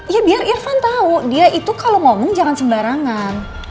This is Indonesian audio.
ya biar irfan tahu dia itu kalau ngomong jangan sembarangan